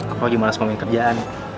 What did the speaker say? apalagi mana semua main kerjaan